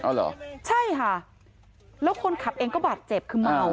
เอาเหรอใช่ค่ะแล้วคนขับเองก็บาดเจ็บคือเมา